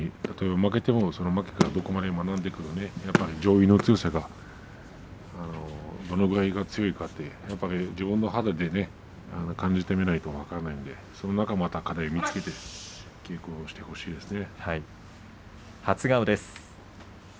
負けてもどこまで学ぶか、上位の強さはどのくらい強いか自分の肌で感じてみないと分からないので、その中で課題を見つけて稽古してほしいですね。